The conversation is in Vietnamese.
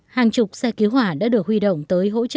hàng chục xe cứu hỏa đã được huy động tới hỗ trợ